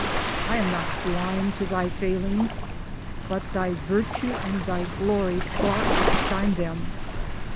I am not blind to Thy failings, but Thy virtue and Thy glory far outshine them.